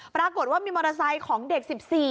ปรากฏว่ามีมอเตอร์ไซค์ของเด็ก๑๔